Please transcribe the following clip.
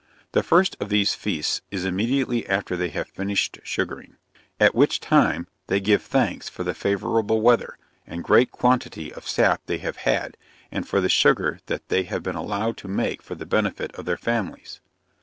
The first of these feasts is immediately after they have finished sugaring, at which time they give thanks for the favorable weather and great quantity of sap they have had, and for the sugar that they have been allowed to make for the benefit of their families.